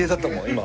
今。